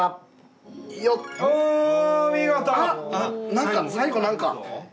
何か最後何か。